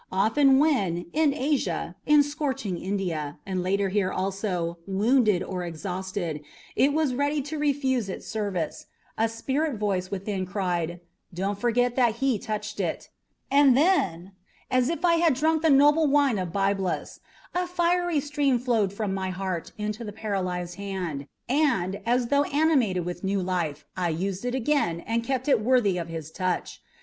Often when, in Asia, in scorching India, and later here also, wounded or exhausted, it was ready to refuse its service, a spirit voice within cried, 'Do not forget that he touched it'; and then, as if I had drunk the noble wine of Byblus, a fiery stream flowed from my heart into the paralyzed hand, and, as though animated with new life, I used it again and kept it worthy of his touch.